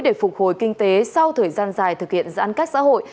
để phục hồi kinh tế sau thời gian dài thực hiện giãn cách xã hội